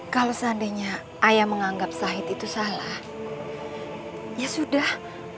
kalau seandainya ayah menganggap sahid itu salah ya sudah